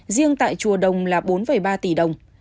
riêng tại chùa đồng là bốn ba tỷ đồng